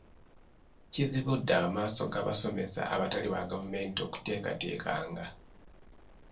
Kizibudde amaaso g'abasomesa abatali ba gavumenti okutekatekanga.